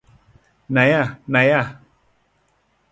ไหนอ่ะ ไหนอ่ะ